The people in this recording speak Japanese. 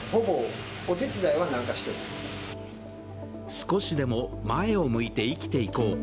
少しでも前を向いて生きていこう。